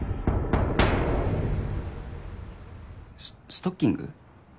スストッキング？